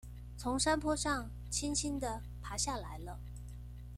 從山坡上輕輕地爬下來了